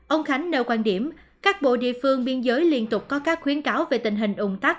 ông khánh nêu quan điểm các bộ địa phương biên giới liên tục có các khuyến cáo về tình hình ủng tắc